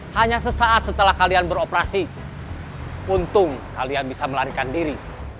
hanya sesaat setelah kalian beroperasi untung kalian bisa melarikan diri